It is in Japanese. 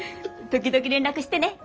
時々連絡してね。